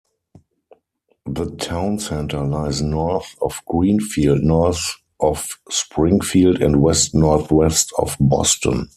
The town center lies north of Greenfield, north of Springfield, and west-northwest of Boston.